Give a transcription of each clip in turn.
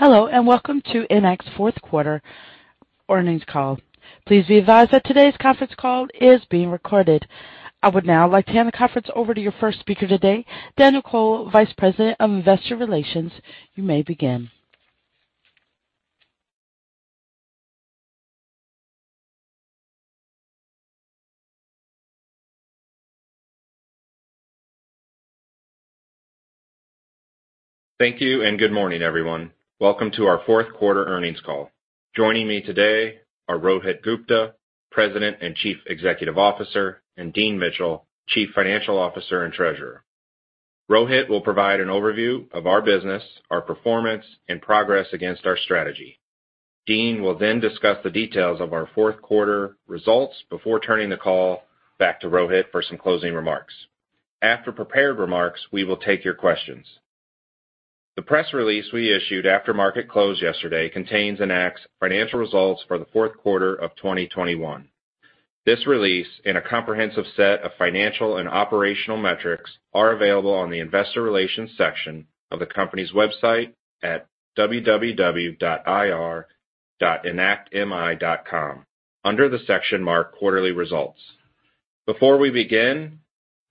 Hello, and welcome to Enact's fourth quarter earnings call. Please be advised that today's conference call is being recorded. I would now like to hand the conference over to your first speaker today, Daniel Kohl, Vice President of Investor Relations. You may begin. Thank you and good morning, everyone. Welcome to our fourth quarter earnings call. Joining me today are Rohit Gupta, President and Chief Executive Officer, and Dean Mitchell, Chief Financial Officer and Treasurer. Rohit will provide an overview of our business, our performance, and progress against our strategy. Dean will then discuss the details of our fourth quarter results before turning the call back to Rohit for some closing remarks. After prepared remarks, we will take your questions. The press release we issued after market close yesterday contains Enact's financial results for the fourth quarter of 2021. This release, in a comprehensive set of financial and operational metrics, are available on the investor relations section of the company's website at ir.enactmi.com, under the section marked Quarterly Results. Before we begin,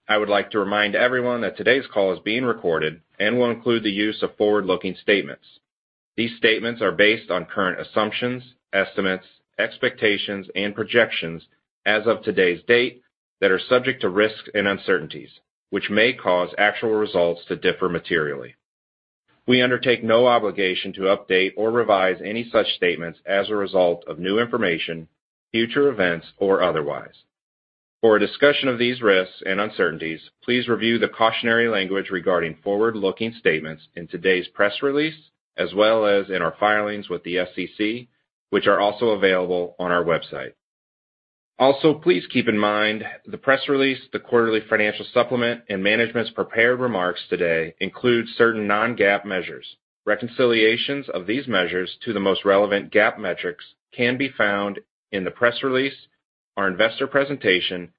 I would like to remind everyone that today's call is being recorded and will include the use of forward-looking statements. These statements are based on current assumptions, estimates, expectations, and projections as of today's date that are subject to risks and uncertainties, which may cause actual results to differ materially. We undertake no obligation to update or revise any such statements as a result of new information, future events, or otherwise. For a discussion of these risks and uncertainties, please review the cautionary language regarding forward-looking statements in today's press release, as well as in our filings with the SEC, which are also available on our website. Also, please keep in mind the press release, the quarterly financial supplement, and management's prepared remarks today include certain non-GAAP measures. Reconciliations of these measures to the most relevant GAAP metrics can be found in the press release, our investor presentation,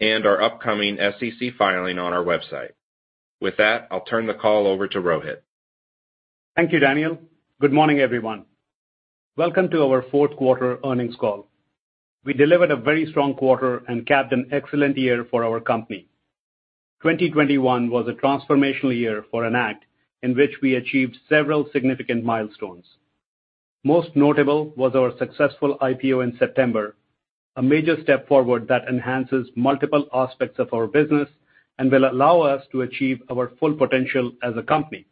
and our upcoming SEC filing on our website. With that, I'll turn the call over to Rohit. Thank you, Daniel. Good morning, everyone. Welcome to our fourth quarter earnings call. We delivered a very strong quarter and capped an excellent year for our company. 2021 was a transformational year for Enact in which we achieved several significant milestones. Most notable was our successful IPO in September, a major step forward that enhances multiple aspects of our business and will allow us to achieve our full potential as a company.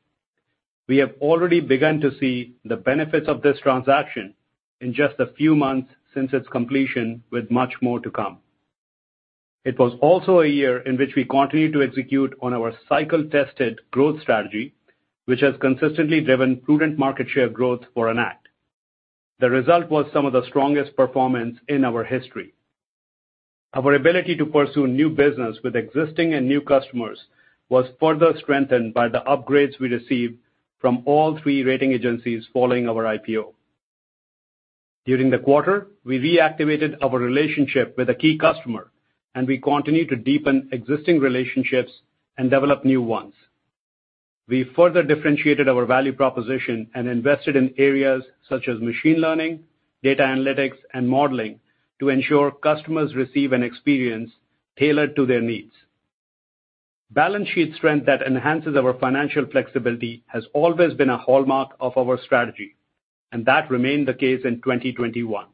We have already begun to see the benefits of this transaction in just a few months since its completion, with much more to come. It was also a year in which we continued to execute on our cycle-tested growth strategy, which has consistently driven prudent market share growth for Enact. The result was some of the strongest performance in our history. Our ability to pursue new business with existing and new customers was further strengthened by the upgrades we received from all three rating agencies following our IPO. During the quarter, we reactivated our relationship with a key customer, and we continued to deepen existing relationships and develop new ones. We further differentiated our value proposition and invested in areas such as machine learning, data analytics, and modeling to ensure customers receive an experience tailored to their needs. Balance sheet strength that enhances our financial flexibility has always been a hallmark of our strategy, and that remained the case in 2021.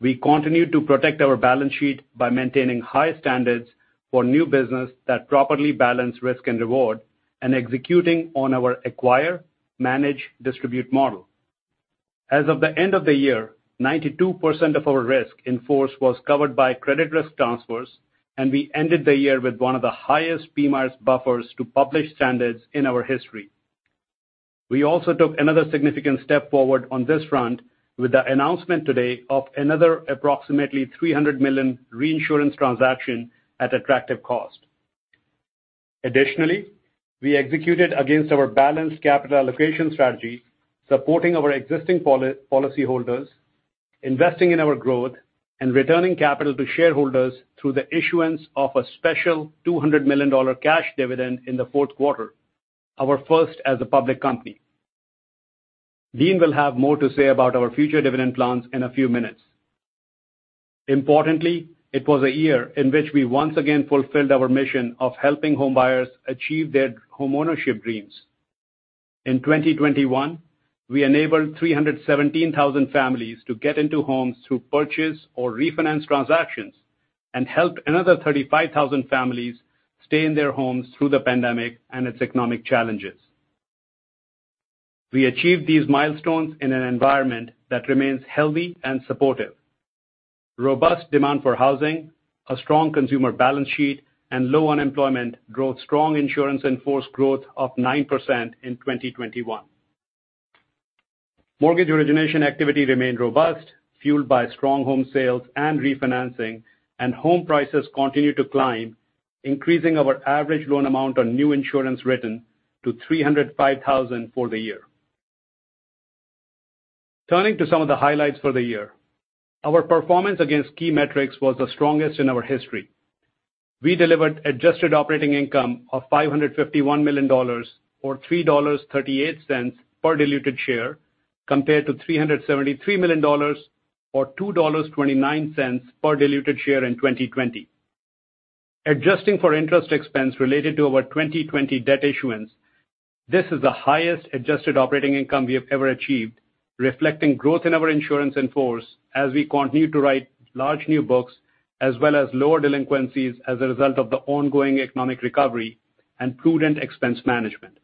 We continued to protect our balance sheet by maintaining high standards for new business that properly balance risk and reward and executing on our acquire, manage, distribute model. As of the end of the year, 92% of our risk in force was covered by credit risk transfers, and we ended the year with one of the highest PMIERs buffers to PMIER standards in our history. We also took another significant step forward on this front with the announcement today of another approximately $300 million reinsurance transaction at attractive cost. Additionally, we executed against our balanced capital allocation strategy, supporting our existing policyholders, investing in our growth, and returning capital to shareholders through the issuance of a special $200 million cash dividend in the fourth quarter, our first as a public company. Dean will have more to say about our future dividend plans in a few minutes. Importantly, it was a year in which we once again fulfilled our mission of helping homebuyers achieve their homeownership dreams. In 2021, we enabled 317,000 families to get into homes through purchase or refinance transactions and helped another 35,000 families stay in their homes through the pandemic and its economic challenges. We achieved these milestones in an environment that remains healthy and supportive. Robust demand for housing, a strong consumer balance sheet, and low unemployment drove strong insurance in force growth of 9% in 2021. Mortgage origination activity remained robust, fueled by strong home sales and refinancing, and home prices continued to climb, increasing our average loan amount on new insurance written to $305,000 for the year. Turning to some of the highlights for the year. Our performance against key metrics was the strongest in our history. We delivered adjusted operating income of $551 million or $3.38 per diluted share compared to $373 million or $2.29 per diluted share in 2020. Adjusting for interest expense related to our 2020 debt issuance, this is the highest adjusted operating income we have ever achieved, reflecting growth in our insurance in force as we continue to write large new books as well as lower delinquencies as a result of the ongoing economic recovery and prudent expense management.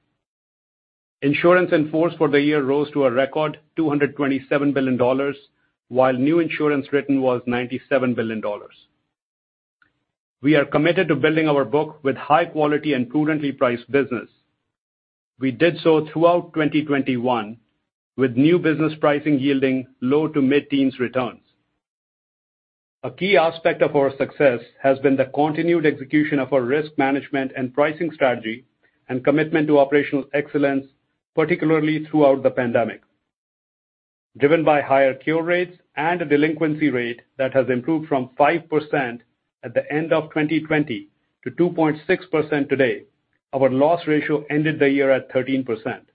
Insurance in force for the year rose to a record $227 billion while new insurance written was $97 billion. We are committed to building our book with high quality and prudently priced business. We did so throughout 2021 with new business pricing yielding low- to mid-teens returns. A key aspect of our success has been the continued execution of our risk management and pricing strategy and commitment to operational excellence, particularly throughout the pandemic. Driven by higher cure rates and a delinquency rate that has improved from 5% at the end of 2020 to 2.6% today, our loss ratio ended the year at 13%.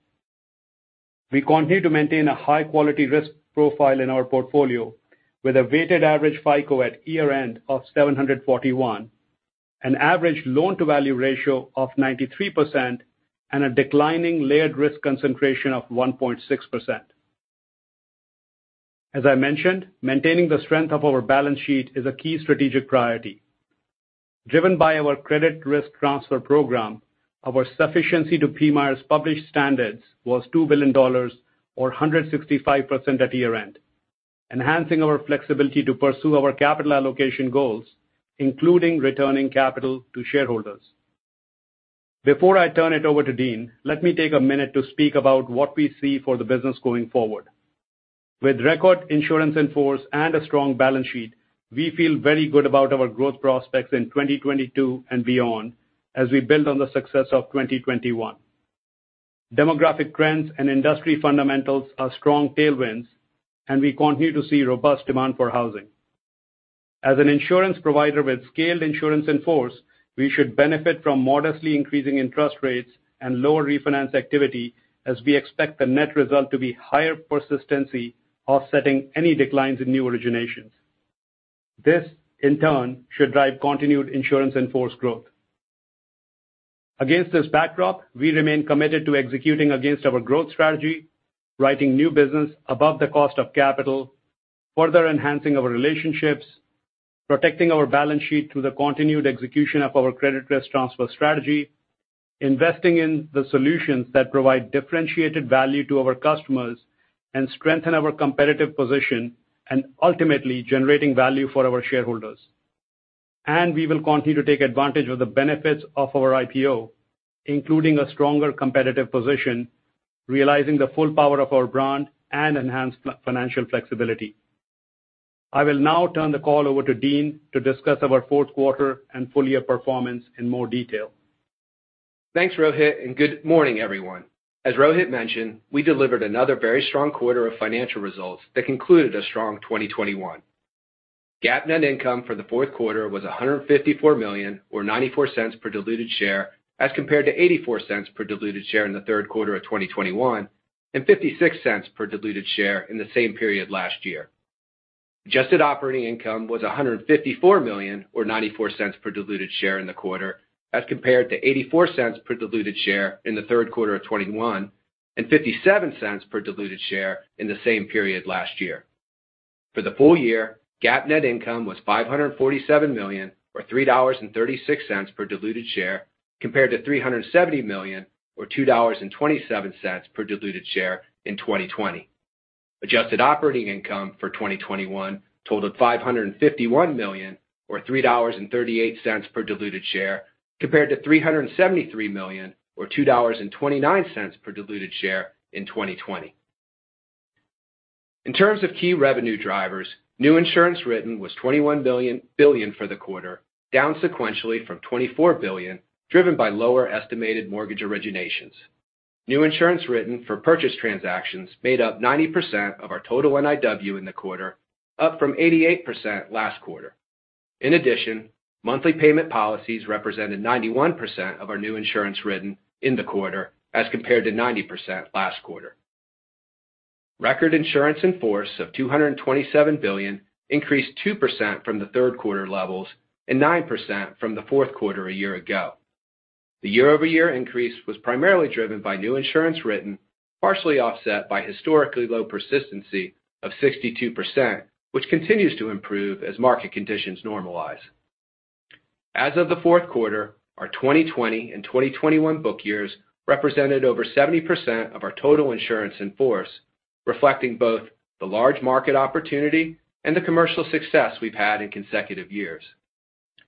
We continue to maintain a high quality risk profile in our portfolio with a weighted average FICO at year-end of 741, an average loan-to-value ratio of 93%, and a declining layered risk concentration of 1.6%. As I mentioned, maintaining the strength of our balance sheet is a key strategic priority. Driven by our credit risk transfer program, our sufficiency to PMIERs' published standards was $2 billion or 165% at year-end, enhancing our flexibility to pursue our capital allocation goals, including returning capital to shareholders. Before I turn it over to Dean, let me take a minute to speak about what we see for the business going forward. With record insurance in force and a strong balance sheet, we feel very good about our growth prospects in 2022 and beyond as we build on the success of 2021. Demographic trends and industry fundamentals are strong tailwinds, and we continue to see robust demand for housing. As an insurance provider with scaled insurance in force, we should benefit from modestly increasing interest rates and lower refinance activity as we expect the net result to be higher persistency offsetting any declines in new originations. This, in turn, should drive continued insurance in force growth. Against this backdrop, we remain committed to executing against our growth strategy, writing new business above the cost of capital, further enhancing our relationships, protecting our balance sheet through the continued execution of our credit risk transfer strategy, investing in the solutions that provide differentiated value to our customers and strengthen our competitive position, and ultimately generating value for our shareholders. We will continue to take advantage of the benefits of our IPO, including a stronger competitive position, realizing the full power of our brand and enhanced financial flexibility. I will now turn the call over to Dean to discuss our fourth quarter and full year performance in more detail. Thanks, Rohit, and good morning, everyone. As Rohit mentioned, we delivered another very strong quarter of financial results that concluded a strong 2021. GAAP net income for the fourth quarter was $154 million or $0.94 per diluted share as compared to $0.84 per diluted share in the third quarter of 2021 and $0.56 per diluted share in the same period last year. Adjusted operating income was $154 million or $0.94 per diluted share in the quarter as compared to $0.84 per diluted share in the third quarter of 2021 and $0.57 per diluted share in the same period last year. For the full year, GAAP net income was $547 million or $3.36 per diluted share compared to $370 million or $2.27 per diluted share in 2020. Adjusted operating income for 2021 totaled $551 million or $3.38 per diluted share compared to $373 million or $2.29 per diluted share in 2020. In terms of key revenue drivers, new insurance written was $21 billion for the quarter, down sequentially from $24 billion, driven by lower estimated mortgage originations. New insurance written for purchase transactions made up 90% of our total NIW in the quarter, up from 88% last quarter. In addition, monthly payment policies represented 91% of our new insurance written in the quarter, as compared to 90% last quarter. Record insurance in force of $227 billion increased 2% from the third quarter levels and 9% from the fourth quarter a year ago. The year-over-year increase was primarily driven by new insurance written, partially offset by historically low persistency of 62%, which continues to improve as market conditions normalize. As of the fourth quarter, our 2020 and 2021 book years represented over 70% of our total insurance in force, reflecting both the large market opportunity and the commercial success we've had in consecutive years.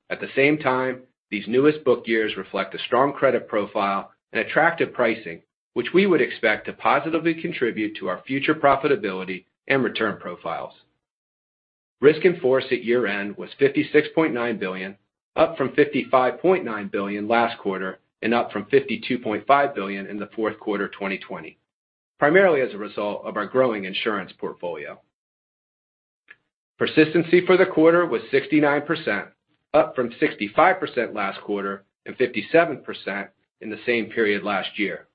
At the same time, these newest book years reflect a strong credit profile and attractive pricing, which we would expect to positively contribute to our future profitability and return profiles. Risk in force at year-end was $56.9 billion, up from $55.9 billion last quarter and up from $52.5 billion in the fourth quarter 2020, primarily as a result of our growing insurance portfolio. Persistency for the quarter was 69%, up from 65% last quarter and 57% in the same period last year.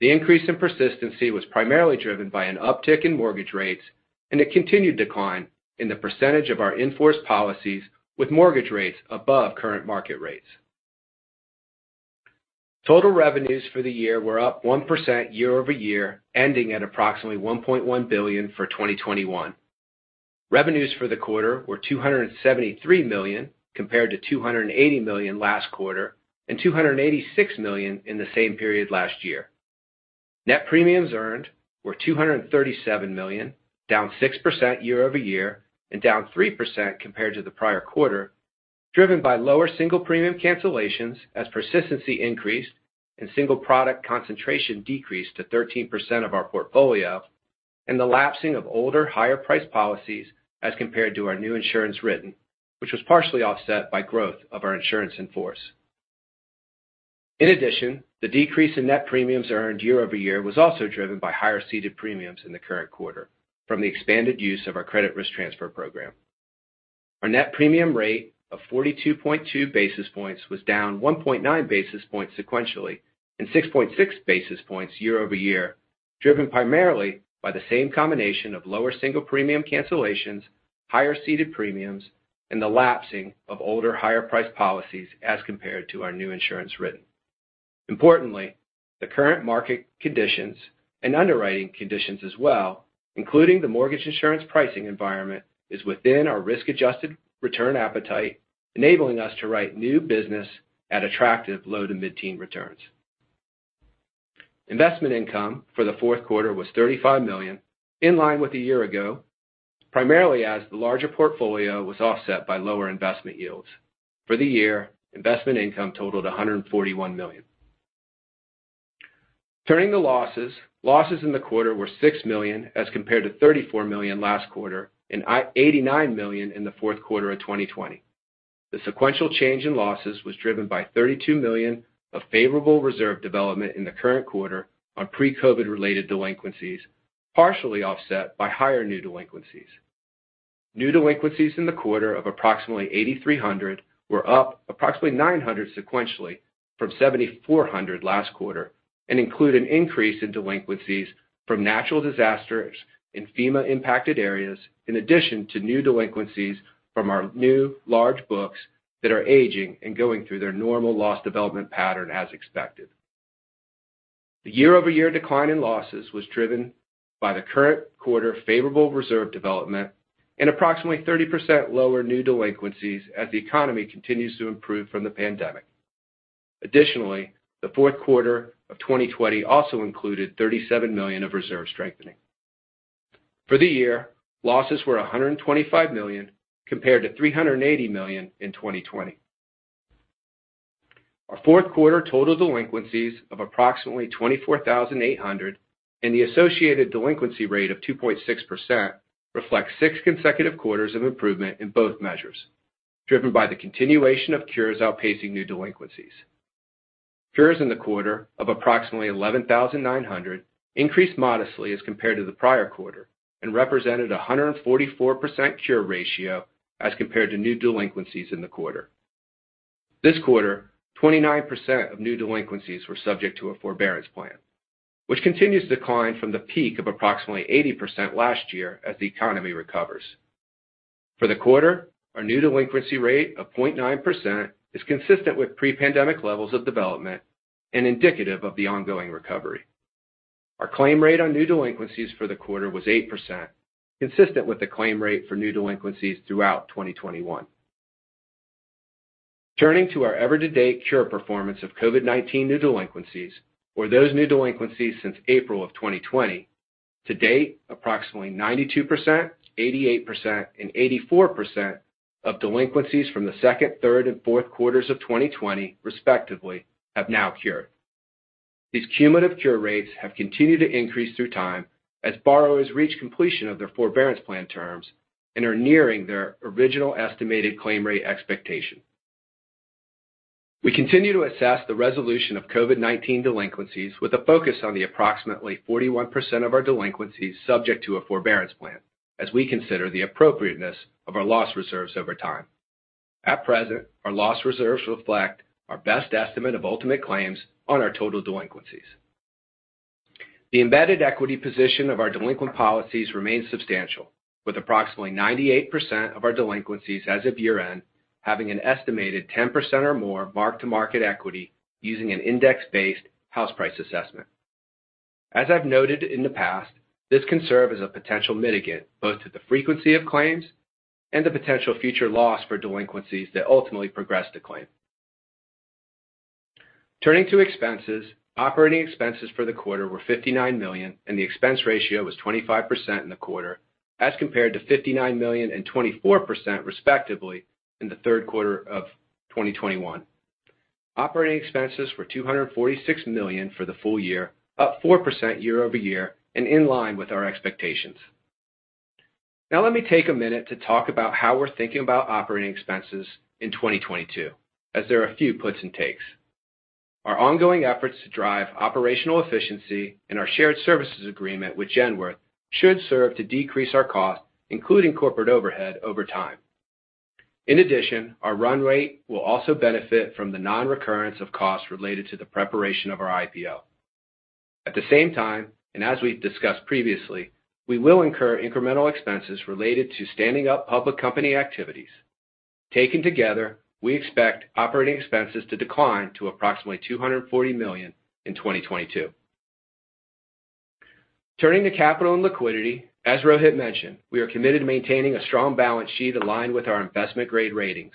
The increase in persistency was primarily driven by an uptick in mortgage rates and a continued decline in the percentage of our in-force policies with mortgage rates above current market rates. Total revenues for the year were up 1% year-over-year, ending at approximately $1.1 billion for 2021. Revenues for the quarter were $273 million, compared to $280 million last quarter and $286 million in the same period last year. Net premiums earned were $237 million, down 6% year-over-year and down 3% compared to the prior quarter, driven by lower single premium cancellations as persistency increased and single product concentration decreased to 13% of our portfolio and the lapsing of older higher-priced policies as compared to our new insurance written, which was partially offset by growth of our insurance in force. In addition, the decrease in net premiums earned year-over-year was also driven by higher ceded premiums in the current quarter from the expanded use of our credit risk transfer program. Our net premium rate of 42.2 basis points was down 1.9 basis points sequentially and 6.6 basis points year over year, driven primarily by the same combination of lower single premium cancellations, higher ceded premiums, and the lapsing of older higher-priced policies as compared to our new insurance written. Importantly, the current market conditions and underwriting conditions as well, including the mortgage insurance pricing environment, is within our risk-adjusted return appetite, enabling us to write new business at attractive low- to mid-teen returns. Investment income for the fourth quarter was $35 million, in line with a year ago, primarily as the larger portfolio was offset by lower investment yields. For the year, investment income totaled $141 million. Turning to losses. Losses in the quarter were $6 million as compared to $34 million last quarter and $89 million in the fourth quarter of 2020. The sequential change in losses was driven by $32 million of favorable reserve development in the current quarter on pre-COVID-related delinquencies, partially offset by higher new delinquencies. New delinquencies in the quarter of approximately 8,300 were up approximately 900 sequentially from 7,400 last quarter and include an increase in delinquencies from natural disasters in FEMA-impacted areas, in addition to new delinquencies from our new large books that are aging and going through their normal loss development pattern as expected. The year-over-year decline in losses was driven by the current quarter favorable reserve development and approximately 30% lower new delinquencies as the economy continues to improve from the pandemic. Additionally, the fourth quarter of 2020 also included $37 million of reserve strengthening. For the year, losses were $125 million, compared to $380 million in 2020. Our fourth quarter total delinquencies of approximately 24,800 and the associated delinquency rate of 2.6% reflects six consecutive quarters of improvement in both measures, driven by the continuation of cures outpacing new delinquencies. Cures in the quarter of approximately 11,900 increased modestly as compared to the prior quarter and represented a 144% cure ratio as compared to new delinquencies in the quarter. This quarter, 29% of new delinquencies were subject to a forbearance plan, which continues to decline from the peak of approximately 80% last year as the economy recovers. For the quarter, our new delinquency rate of 0.9% is consistent with pre-pandemic levels of development and indicative of the ongoing recovery. Our claim rate on new delinquencies for the quarter was 8%, consistent with the claim rate for new delinquencies throughout 2021. Turning to our year-to-date cure performance of COVID-19 new delinquencies, or those new delinquencies since April of 2020. To date, approximately 92%, 88%, and 84% of delinquencies from the second, third, and fourth quarters of 2020, respectively, have now cured. These cumulative cure rates have continued to increase over time as borrowers reach completion of their forbearance plan terms and are nearing their original estimated claim rate expectation. We continue to assess the resolution of COVID-19 delinquencies with a focus on the approximately 41% of our delinquencies subject to a forbearance plan as we consider the appropriateness of our loss reserves over time. At present, our loss reserves reflect our best estimate of ultimate claims on our total delinquencies. The embedded equity position of our delinquent policies remains substantial, with approximately 98% of our delinquencies as of year-end having an estimated 10% or more mark-to-market equity using an index-based house price assessment. As I've noted in the past, this can serve as a potential mitigant, both to the frequency of claims and the potential future loss for delinquencies that ultimately progress to claim. Turning to expenses. Operating expenses for the quarter were $59 million, and the expense ratio was 25% in the quarter as compared to $59 million and 24%, respectively, in the third quarter of 2021. Operating expenses were $246 million for the full year, up 4% year-over-year and in line with our expectations. Now let me take a minute to talk about how we're thinking about operating expenses in 2022, as there are a few puts and takes. Our ongoing efforts to drive operational efficiency and our shared services agreement with Genworth should serve to decrease our costs, including corporate overhead over time. In addition, our run rate will also benefit from the non-recurrence of costs related to the preparation of our IPO. At the same time, and as we've discussed previously, we will incur incremental expenses related to standing up public company activities. Taken together, we expect operating expenses to decline to approximately $240 million in 2022. Turning to capital and liquidity. As Rohit mentioned, we are committed to maintaining a strong balance sheet aligned with our investment-grade ratings.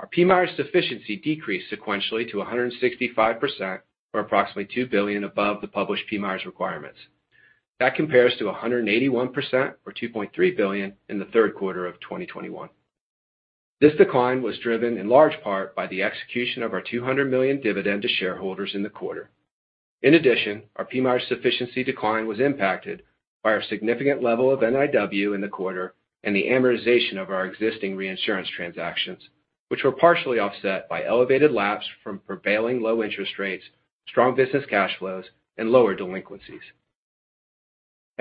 Our PMIERs sufficiency decreased sequentially to 165%, or approximately $2 billion above the published PMIERs' requirements. That compares to 181% or $2.3 billion in the third quarter of 2021. This decline was driven in large part by the execution of our $200 million dividend to shareholders in the quarter. In addition, our PMIERs sufficiency decline was impacted by our significant level of NIW in the quarter and the amortization of our existing reinsurance transactions, which were partially offset by elevated lapses from prevailing low interest rates, strong business cash flows, and lower delinquencies.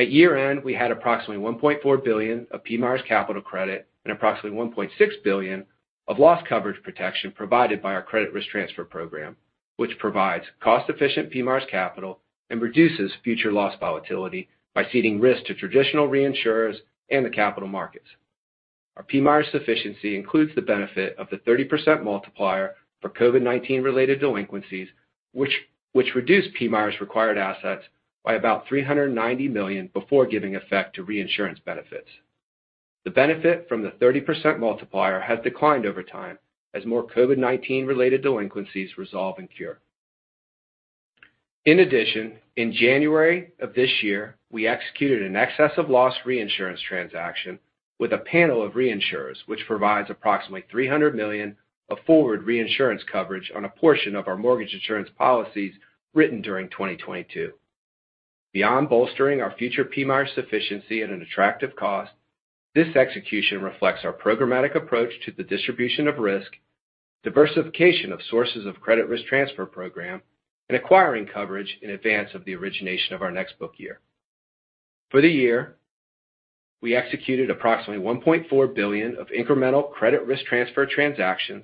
At year-end, we had approximately $1.4 billion of PMIERs capital credit and approximately $1.6 billion of loss coverage protection provided by our credit risk transfer program, which provides cost-efficient PMIERs capital and reduces future loss volatility by ceding risk to traditional reinsurers and the capital markets. Our PMIERs sufficiency includes the benefit of the 30% multiplier for COVID-19 related delinquencies, which reduced PMIERs required assets by about $390 million before giving effect to reinsurance benefits. The benefit from the 30% multiplier has declined over time as more COVID-19 related delinquencies resolve and cure. In addition, in January of this year, we executed an excess of loss reinsurance transaction with a panel of reinsurers, which provides approximately $300 million of forward reinsurance coverage on a portion of our mortgage insurance policies written during 2022. Beyond bolstering our future PMIERs sufficiency at an attractive cost, this execution reflects our programmatic approach to the distribution of risk, diversification of sources of credit risk transfer program, and acquiring coverage in advance of the origination of our next book year. For the year, we executed approximately $1.4 billion of incremental credit risk transfer transactions,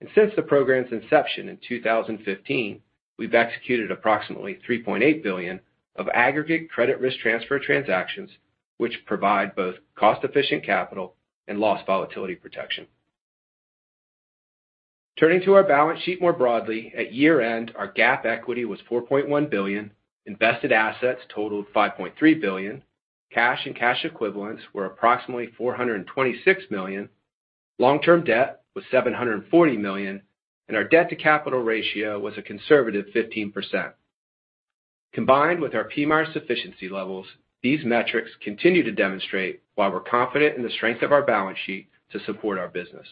and since the program's inception in 2015, we've executed approximately $3.8 billion of aggregate credit risk transfer transactions, which provide both cost-efficient capital and loss volatility protection. Turning to our balance sheet more broadly. At year-end, our GAAP equity was $4.1 billion, invested assets totaled $5.3 billion, cash and cash equivalents were approximately $426 million, long-term debt was $740 million, and our debt to capital ratio was a conservative 15%. Combined with our PMIERs sufficiency levels, these metrics continue to demonstrate why we're confident in the strength of our balance sheet to support our business.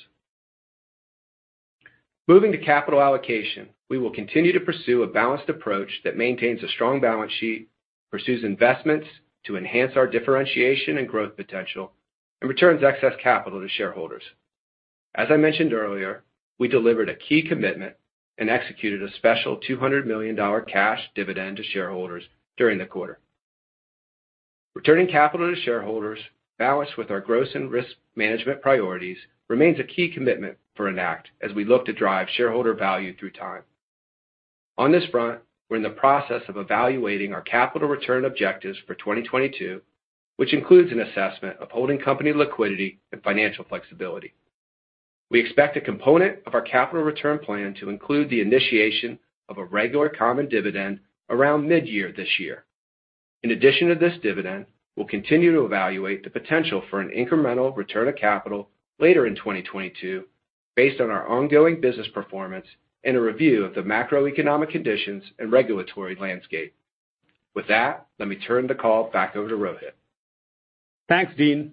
Moving to capital allocation, we will continue to pursue a balanced approach that maintains a strong balance sheet, pursues investments to enhance our differentiation and growth potential, and returns excess capital to shareholders. As I mentioned earlier, we delivered a key commitment and executed a special $200 million cash dividend to shareholders during the quarter. Returning capital to shareholders balanced with our growth and risk management priorities remains a key commitment for Enact as we look to drive shareholder value through time. On this front, we're in the process of evaluating our capital return objectives for 2022, which includes an assessment of holding company liquidity and financial flexibility. We expect a component of our capital return plan to include the initiation of a regular common dividend around mid-year this year. In addition to this dividend, we'll continue to evaluate the potential for an incremental return of capital later in 2022 based on our ongoing business performance and a review of the macroeconomic conditions and regulatory landscape. With that, let me turn the call back over to Rohit. Thanks, Dean.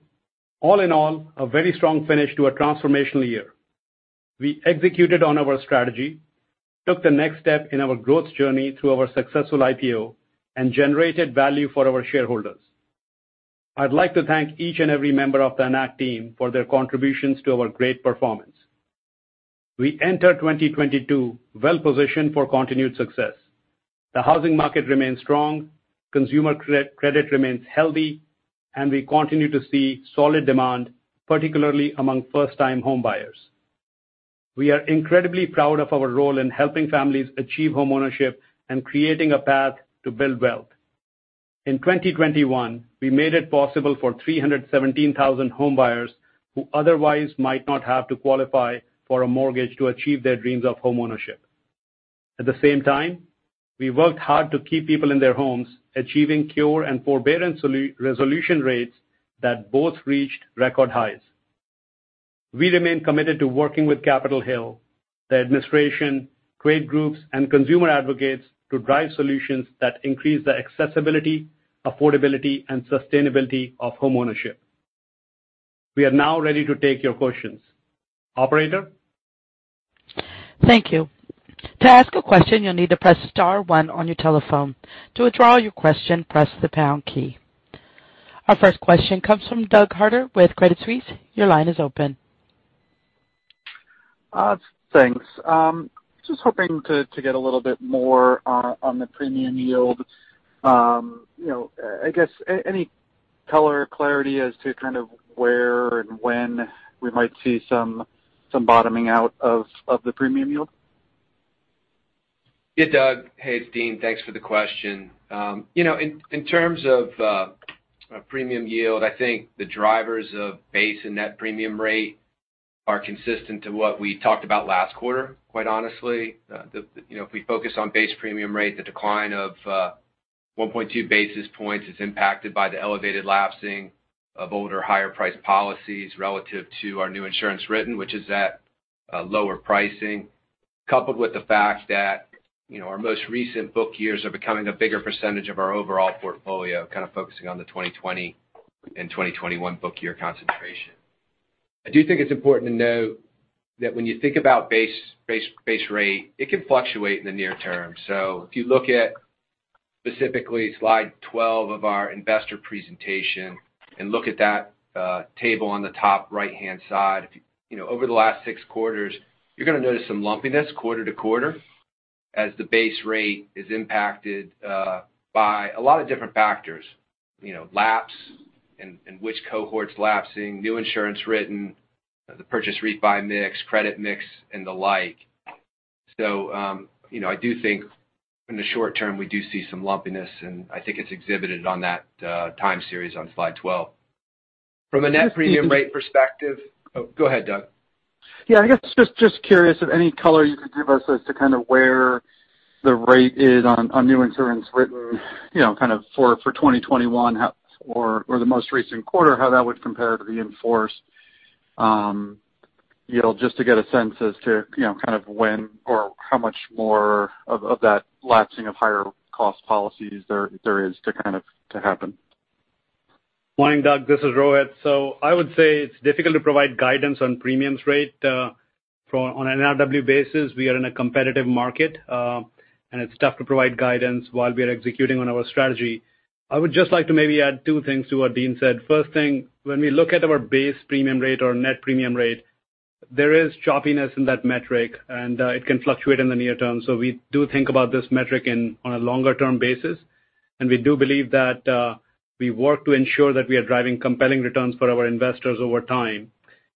All in all, a very strong finish to a transformational year. We executed on our strategy, took the next step in our growth journey through our successful IPO, and generated value for our shareholders. I'd like to thank each and every member of the Enact team for their contributions to our great performance. We enter 2022 well-positioned for continued success. The housing market remains strong, consumer credit remains healthy, and we continue to see solid demand, particularly among first-time home buyers. We are incredibly proud of our role in helping families achieve homeownership and creating a path to build wealth. In 2021, we made it possible for 317,000 home buyers who otherwise might not have to qualify for a mortgage to achieve their dreams of homeownership. At the same time, we worked hard to keep people in their homes, achieving cure and forbearance resolution rates that both reached record highs. We remain committed to working with Capitol Hill, the administration, trade groups, and consumer advocates to drive solutions that increase the accessibility, affordability, and sustainability of homeownership. We are now ready to take your questions. Operator? Thank you. To ask a question, you'll need to press star one on your telephone. To withdraw your question, press the pound key. Our first question comes from Douglas Harter with Credit Suisse. Your line is open. Thanks. Just hoping to get a little bit more on the premium yield. You know, I guess any color or clarity as to kind of where and when we might see some bottoming out of the premium yield. Yeah, Doug. Hey, it's Dean. Thanks for the question. You know, in terms of a premium yield, I think the drivers of base and net premium rate are consistent to what we talked about last quarter, quite honestly. You know, if we focus on base premium rate, the decline of 1.2 basis points is impacted by the elevated lapsing of older, higher-priced policies relative to our new insurance written, which is at lower pricing, coupled with the fact that, you know, our most recent book years are becoming a bigger percentage of our overall portfolio, kind of focusing on the 2020 and 2021 book year concentration. I do think it's important to note that when you think about base rate, it can fluctuate in the near term. If you look at specifically slide 12 of our investor presentation and look at that table on the top right-hand side. You know, over the last six quarters, you're gonna notice some lumpiness quarter to quarter as the base rate is impacted by a lot of different factors. You know, lapse and which cohort's lapsing, new insurance written, the purchase rebuy mix, credit mix, and the like. You know, I do think in the short term, we do see some lumpiness, and I think it's exhibited on that time series on slide 12. From a net premium rate perspective. Oh, go ahead, Doug. Yeah, I guess just curious if any color you could give us as to kind of where the rate is on new insurance written, you know, kind of for 2021 or the most recent quarter, how that would compare to reinsurance yield, just to get a sense as to, you know, kind of when or how much more of that lapsing of higher cost policies there is to kind of happen. Morning, Doug. This is Rohit. I would say it's difficult to provide guidance on premium rate. On an NIW basis, we are in a competitive market, and it's tough to provide guidance while we are executing on our strategy. I would just like to maybe add two things to what Dean said. First thing, when we look at our base premium rate or net premium rate, there is choppiness in that metric, and it can fluctuate in the near term. We do think about this metric on a longer term basis, and we do believe that we work to ensure that we are driving compelling returns for our investors over time.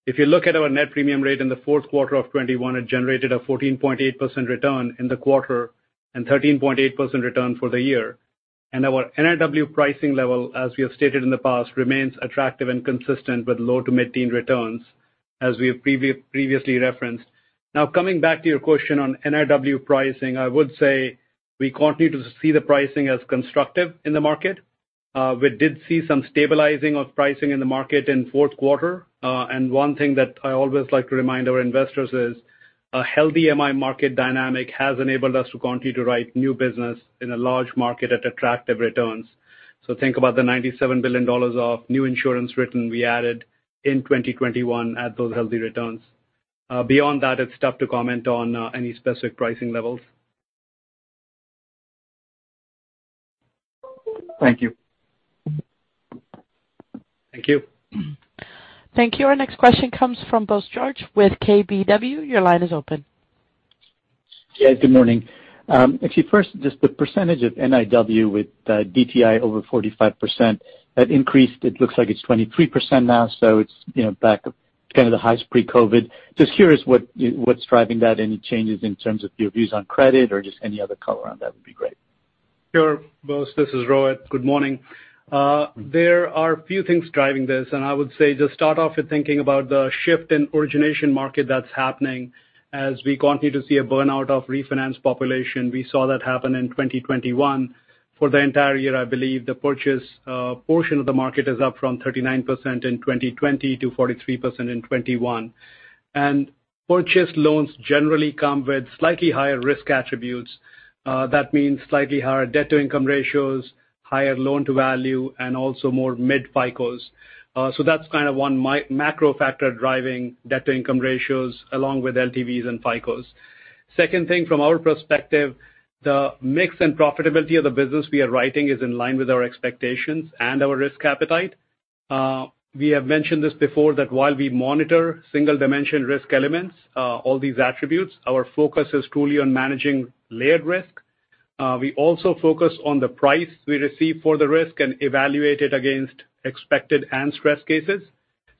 If you look at our net premium rate in the fourth quarter of 2021, it generated a 14.8% return in the quarter and 13.8% return for the year. Our NIW pricing level, as we have stated in the past, remains attractive and consistent with low-to-mid-teen returns, as we have previously referenced. Now, coming back to your question on NIW pricing, I would say we continue to see the pricing as constructive in the market. We did see some stabilizing of pricing in the market in fourth quarter. One thing that I always like to remind our investors is a healthy MI market dynamic has enabled us to continue to write new business in a large market at attractive returns. Think about the $97 billion of new insurance written we added in 2021 at those healthy returns. Beyond that, it's tough to comment on any specific pricing levels. Thank you. Thank you. Thank you. Our next question comes from Bose George with KBW. Your line is open. Yes, good morning. Actually, first, just the percentage of NIW with DTI over 45% had increased. It looks like it's 23% now, so it's, you know, back up to kind of the highs pre-COVID. Just curious what's driving that? Any changes in terms of your views on credit or just any other color on that would be great. Sure, Bose. This is Rohit. Good morning. There are a few things driving this, and I would say just start off with thinking about the shift in origination market that's happening as we continue to see a burnout of refinance population. We saw that happen in 2021. For the entire year, I believe, the purchase portion of the market is up from 39% in 2020 to 43% in 2021. Purchase loans generally come with slightly higher risk attributes. That means slightly higher debt-to-income ratios, higher loan-to-value, and also more mid-FICOes. So that's kind of one macro factor driving debt-to-income ratios along with LTVs and FICOes. Second thing, from our perspective, the mix and profitability of the business we are writing is in line with our expectations and our risk appetite. We have mentioned this before, that while we monitor single-dimension risk elements, all these attributes, our focus is truly on managing layered risk. We also focus on the price we receive for the risk and evaluate it against expected and stress cases.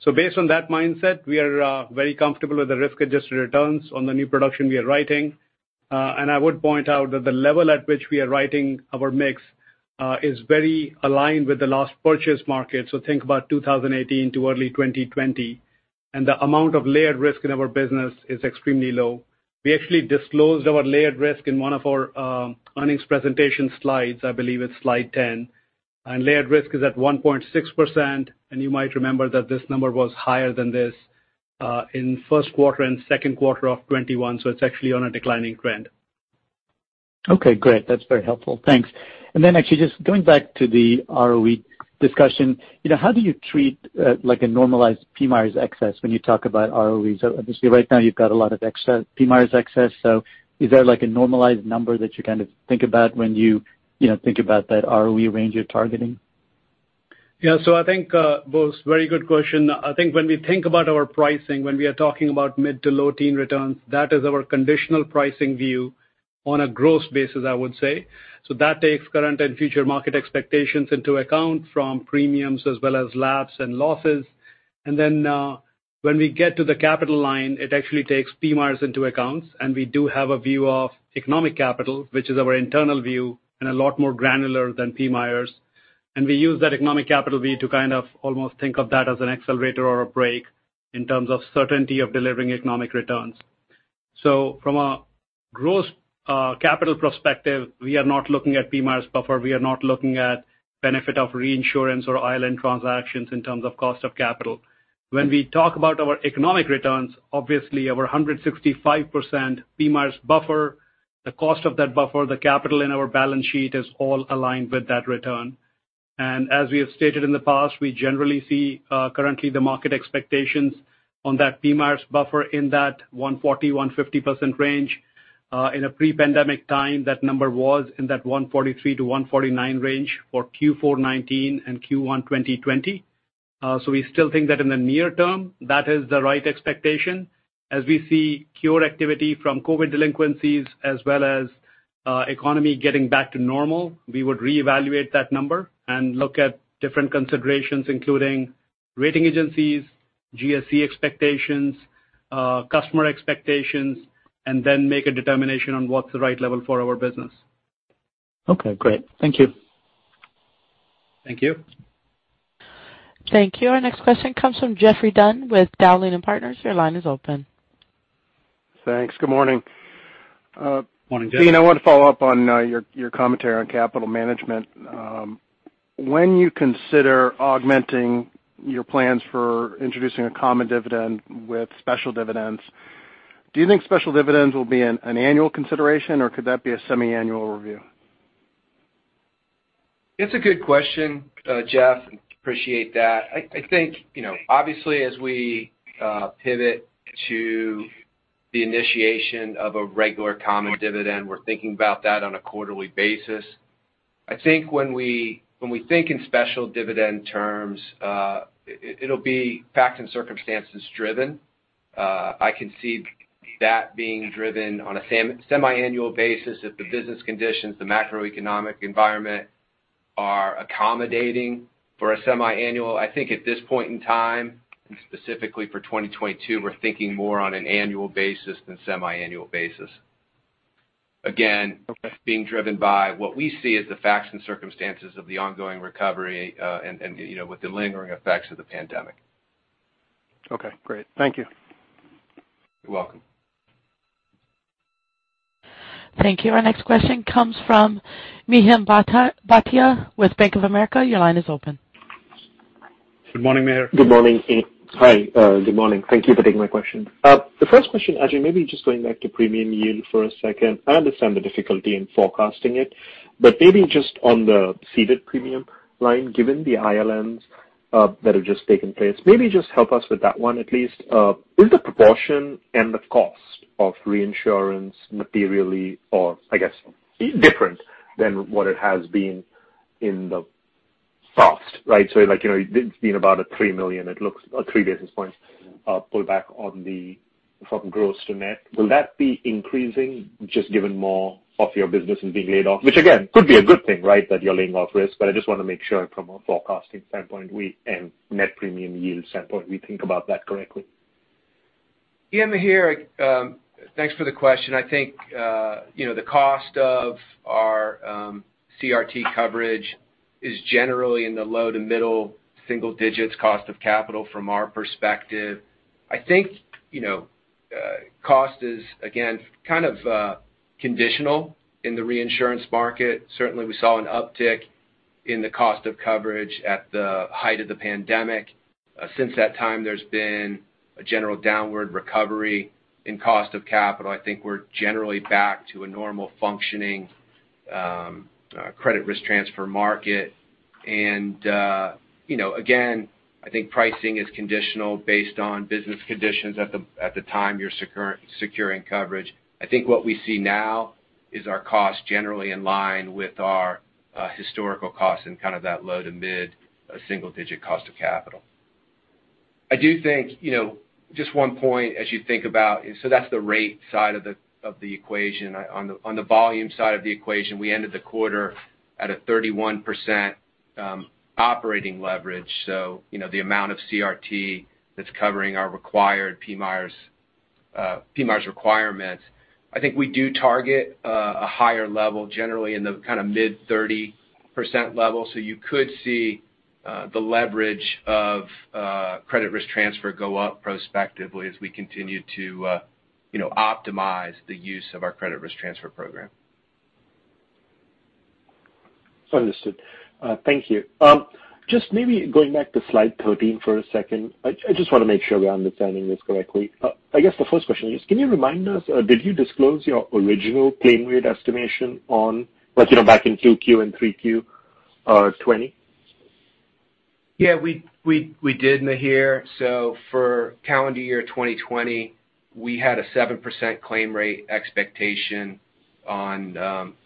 Based on that mindset, we are very comfortable with the risk-adjusted returns on the new production we are writing. I would point out that the level at which we are writing our mix is very aligned with the last purchase market, so think about 2018 to early 2020, and the amount of layered risk in our business is extremely low. We actually disclosed our layered risk in one of our earnings presentation slides. I believe it's slide 10. Layered risk is at 1.6%, and you might remember that this number was higher than this in first quarter and second quarter of 2021, so it's actually on a declining trend. Okay, great. That's very helpful. Thanks. Actually just going back to the ROE discussion, you know, how do you treat like a normalized PMIERs excess when you talk about ROEs? Obviously right now you've got a lot of excess PMIERs excess. Is there like a normalized number that you kind of think about when you know, think about that ROE range you're targeting? Yeah. I think, Bose, very good question. I think when we think about our pricing, when we are talking about mid- to low-teen returns, that is our conditional pricing view on a gross basis, I would say. That takes current and future market expectations into account from premiums as well as LAEs and losses. When we get to the capital line, it actually takes PMIERs into account, and we do have a view of economic capital, which is our internal view and a lot more granular than PMIERs. We use that economic capital view to kind of almost think of that as an accelerator or a break in terms of certainty of delivering economic returns. From a gross, capital perspective, we are not looking at PMIERs buffer. We are not looking at benefit of reinsurance or ILN transactions in terms of cost of capital. When we talk about our economic returns, obviously our 165% PMIERs buffer, the cost of that buffer, the capital in our balance sheet is all aligned with that return. As we have stated in the past, we generally see currently the market expectations on that PMIERs buffer in that 140%-150% range. In a pre-pandemic time, that number was in that 143-149 range for Q4 2019 and Q1 2020. We still think that in the near term, that is the right expectation. As we see cure activity from COVID delinquencies as well as, economy getting back to normal, we would reevaluate that number and look at different considerations, including rating agencies, GSE expectations, customer expectations, and then make a determination on what's the right level for our business. Okay, great. Thank you. Thank you. Thank you. Our next question comes from Geoffrey Dunn with Dowling & Partners. Your line is open. Thanks. Good morning. Morning, Geoff. Dean, I want to follow up on your commentary on capital management. When you consider augmenting your plans for introducing a common dividend with special dividends, do you think special dividends will be an annual consideration, or could that be a semi-annual review? It's a good question, Geoff. Appreciate that. I think, you know, obviously as we pivot to the initiation of a regular common dividend, we're thinking about that on a quarterly basis. I think when we think in special dividend terms, it'll be facts and circumstances driven. I can see that being driven on a semiannual basis if the business conditions, the macroeconomic environment are accommodating for a semiannual. I think at this point in time, and specifically for 2022, we're thinking more on an annual basis than semiannual basis. Again. Okay. Being driven by what we see as the facts and circumstances of the ongoing recovery, and you know, with the lingering effects of the pandemic. Okay, great. Thank you. You're welcome. Thank you. Our next question comes from Mihir Bhatia with Bank of America. Your line is open. Good morning, Mihir. Good morning. Hi, good morning. Thank you for taking my question. The first question, actually, maybe just going back to premium yield for a second. I understand the difficulty in forecasting it, but maybe just on the ceded premium line, given the ILNs that have just taken place, maybe just help us with that one at least. Is the proportion and the cost of reinsurance materially or, I guess, different than what it has been in the past, right? Like, you know, it's been about a $3 million, it looks, or 3 basis points pullback on the from gross to net. Will that be increasing just given more of your business is being laid off? Which again, could be a good thing, right? That you're laying off risk, but I just want to make sure from a forecasting standpoint and net premium yield standpoint, we think about that correctly. Yeah, Mihir, thanks for the question. I think, you know, the cost of our, CRT coverage is generally in the low to middle single digits cost of capital from our perspective. I think, you know, cost is again, kind of, conditional in the reinsurance market. Certainly, we saw an uptick in the cost of coverage at the height of the pandemic. Since that time, there's been a general downward recovery in cost of capital. I think we're generally back to a normal functioning, credit risk transfer market. You know, again, I think pricing is conditional based on business conditions at the time you're securing coverage. I think what we see now is our cost generally in line with our, historical costs and kind of that low to mid single digit cost of capital. I do think, you know, just one point as you think about, that's the rate side of the equation. On the volume side of the equation, we ended the quarter at a 31% operating leverage. You know, the amount of CRT that's covering our required PMIERs requirements. I think we do target a higher level generally in the kind of mid-30% level. You could see the leverage of credit risk transfer go up prospectively as we continue to, you know, optimize the use of our credit risk transfer program. Understood. Thank you. Just maybe going back to slide 13 for a second. I just want to make sure we're understanding this correctly. I guess the first question is, can you remind us, did you disclose your original claim rate estimation on like, you know, back in 2Q and 3Q 2020? Yeah. We did, Mihir. For calendar year 2020, we had a 7% claim rate expectation on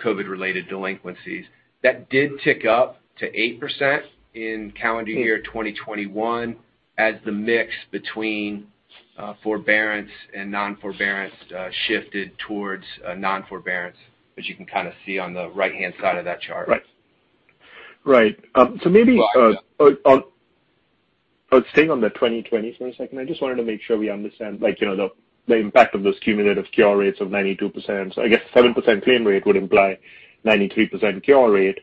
COVID-related delinquencies. That did tick up to 8% in calendar year 2021 as the mix between forbearance and non-forbearance shifted towards non-forbearance, as you can kind of see on the right-hand side of that chart. Right. Staying on the 2020 for a second, I just wanted to make sure we understand, like, you know, the impact of those cumulative cure rates of 92%. I guess 7% claim rate would imply 93% cure rate.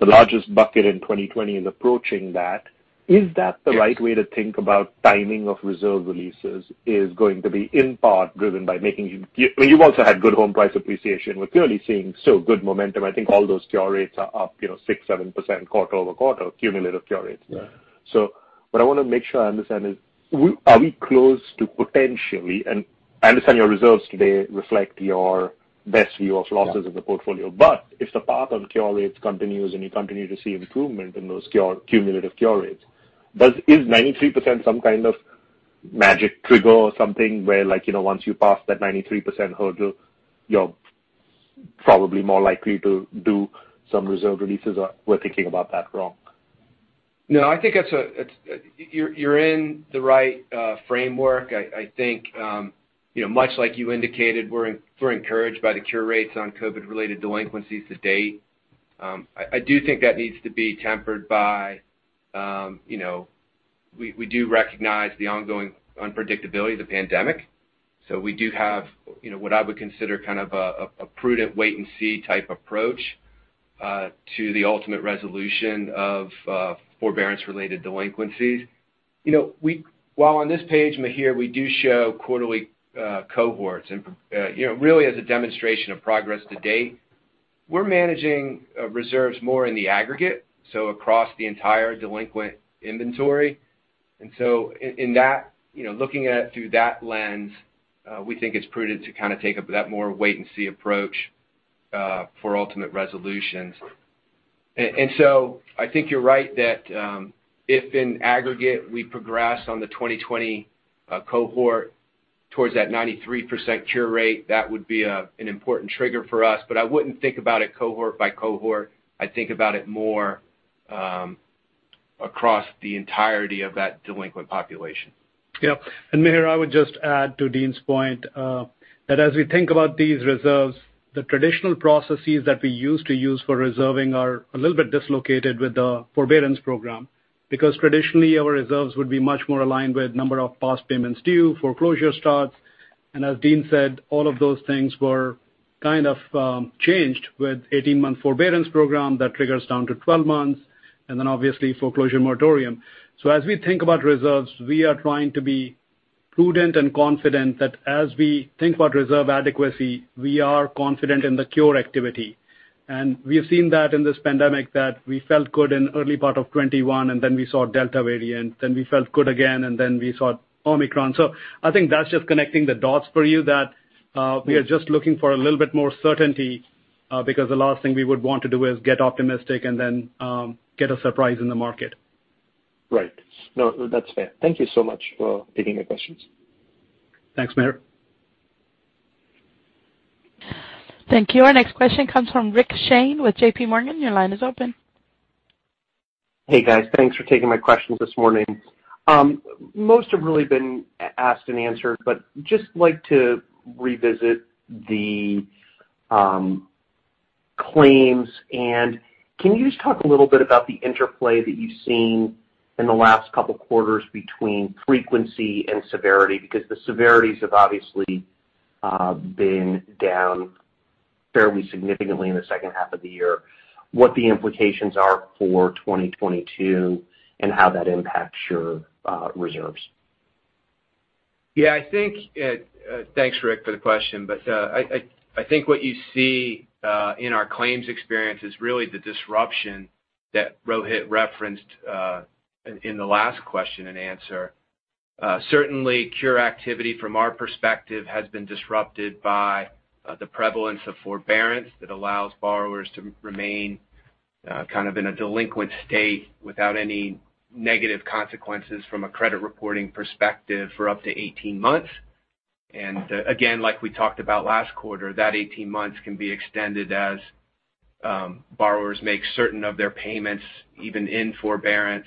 The largest bucket in 2020 is approaching that. Is that the right way to think about timing of reserve releases is going to be in part driven by making. You also had good home price appreciation. We're clearly seeing still good momentum. I think all those cure rates are up, you know, 6, 7% quarter-over-quarter cumulative cure rates. What I want to make sure I understand is, are we close to potentially? I understand your reserves today reflect your best view of losses. In the portfolio. If the path on cure rates continues and you continue to see improvement in those cure rates, cumulative cure rates, is 93% some kind of magic trigger or something where, like, you know, once you pass that 93% hurdle, you're probably more likely to do some reserve releases, or we're thinking about that wrong? No, I think that's it, you're in the right framework. I think you know, much like you indicated, we're encouraged by the cure rates on COVID-related delinquencies to date. I do think that needs to be tempered by you know, we do recognize the ongoing unpredictability of the pandemic. We do have you know, what I would consider kind of a prudent wait-and-see type approach to the ultimate resolution of forbearance-related delinquencies. You know, while on this page, Mihir, we do show quarterly cohorts and you know, really as a demonstration of progress to date. We're managing reserves more in the aggregate, so across the entire delinquent inventory. In that, you know, looking at it through that lens, we think it's prudent to kinda take a bit more wait-and-see approach for ultimate resolutions. I think you're right that, if in aggregate we progress on the 2020 cohort towards that 93% cure rate, that would be an important trigger for us. I wouldn't think about it cohort by cohort. I'd think about it more across the entirety of that delinquent population. Yeah. Mihir, I would just add to Dean's point that as we think about these reserves, the traditional processes that we used to use for reserving are a little bit dislocated with the forbearance program, because traditionally, our reserves would be much more aligned with number of past payments due, foreclosure starts. As Dean said, all of those things were kind of changed with 18-month forbearance program that triggers down to 12 months, and then obviously foreclosure moratorium. As we think about reserves, we are trying to be prudent and confident that as we think about reserve adequacy, we are confident in the cure activity. We have seen that in this pandemic, that we felt good in early part of 2021, and then we saw Delta variant, then we felt good again, and then we saw Omicron. I think that's just connecting the dots for you, that we are just looking for a little bit more certainty, because the last thing we would want to do is get optimistic and then get a surprise in the market. Right. No, that's fair. Thank you so much for taking the questions. Thanks, Mihir. Thank you. Our next question comes from Rick Shane with JPMorgan. Your line is open. Hey, guys. Thanks for taking my questions this morning. Most have really been asked and answered, but just like to revisit the claims. Can you just talk a little bit about the interplay that you've seen in the last couple quarters between frequency and severity? Because the severities have obviously been down fairly significantly in the second half of the year. What the implications are for 2022, and how that impacts your reserves. Yeah, I think, thanks, Rick, for the question. I think what you see in our claims experience is really the disruption that Rohit referenced in the last question and answer. Certainly cure activity from our perspective has been disrupted by the prevalence of forbearance that allows borrowers to remain kind of in a delinquent state without any negative consequences from a credit reporting perspective for up to 18 months. Again, like we talked about last quarter, that 18 months can be extended as borrowers make certain of their payments, even in forbearance,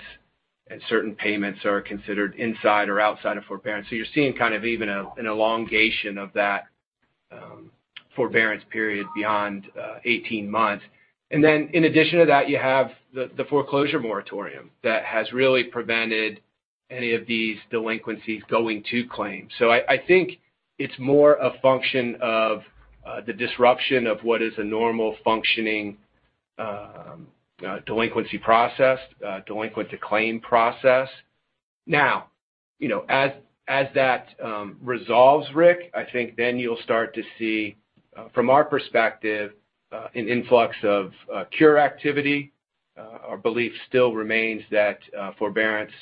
and certain payments are considered inside or outside of forbearance. You're seeing kind of even an elongation of that forbearance period beyond 18 months. In addition to that, you have the foreclosure moratorium that has really prevented any of these delinquencies going to claim. I think it's more a function of the disruption of what is a normal functioning delinquency process, delinquent to claim process. Now, you know, as that resolves, Rick, I think then you'll start to see from our perspective an influx of cure activity. Our belief still remains that forbearance